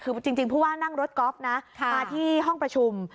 คือจริงผู้ว่านั่งรถกอล์ฟนะมาที่ห้องประชุม